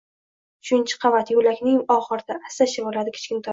Uchinchi qavat, yo`lakning oxirida, asta shivirladi Kichkintoy